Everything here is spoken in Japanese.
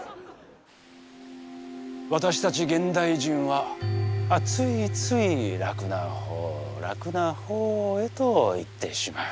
私たち現代人はついつい楽なほう楽なほうへといってしまう。